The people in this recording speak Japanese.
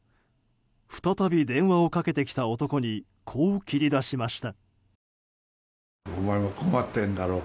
再び電話をかけてきた男にこう切り出しました。